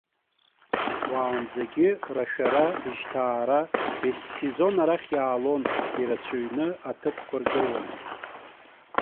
Уаанӡагьы рашәара, жьҭаара ессезон арахь иаалон, ирацәаҩны, аҭыԥқәа рдыруан.